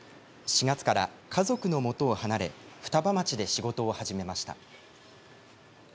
４月から家族のもとを離れ双葉町で仕事を始めました。